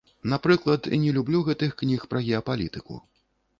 Напрыклад, не люблю гэтых кніг пра геапалітыку.